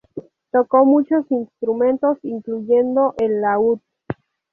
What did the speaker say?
Tocó muchos instrumentos, incluyendo el laúd.